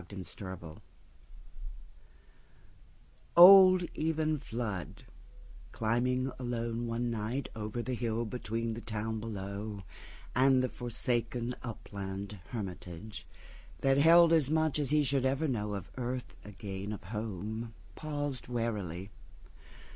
Flood's Party OLD Eben Flood, climbing along one nightOver the hill between the town belowAnd the forsaken upland hermitageThat held as much as he should ever knowOn earth again of home, paused warily.